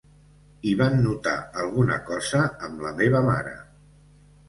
I van notar alguna cosa amb la meva mare.